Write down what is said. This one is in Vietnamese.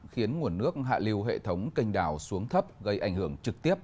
khiến nguồn nước hạ liều hệ thống kênh đào xuống thấp gây ảnh hưởng trực tiếp